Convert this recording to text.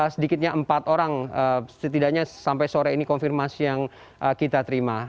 sedikitnya empat orang setidaknya sampai sore ini konfirmasi yang kita terima